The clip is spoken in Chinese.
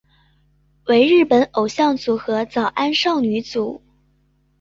为日本偶像组合早安少女组。